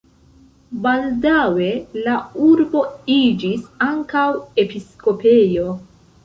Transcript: Baldaŭe la urbo iĝis ankaŭ episkopejo.